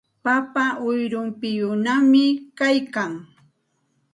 Papa ayrumpiyuqñami kaykan.